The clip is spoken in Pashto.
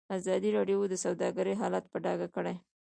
ازادي راډیو د سوداګري حالت په ډاګه کړی.